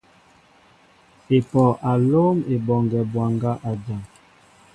Epoh a lóm Eboŋgue bwaŋga a jan.